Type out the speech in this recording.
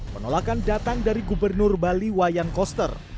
penolakan datang dari gubernur bali wayan koster